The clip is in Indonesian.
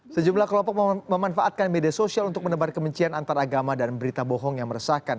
sejumlah kelompok memanfaatkan media sosial untuk menebar kemencian antaragama dan berita bohong yang meresahkan